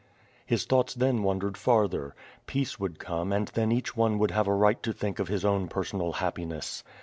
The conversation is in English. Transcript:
His thoughts then wandered farther? Peace would come and then each one would have a right to think of his own per sonal happiness.